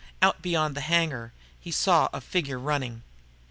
Out beyond the hangar, he saw a figure running.